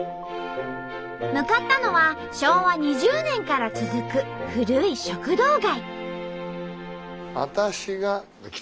向かったのは昭和２０年から続く古い食堂街。